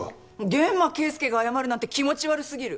諫間慶介が謝るなんて気持ち悪すぎる。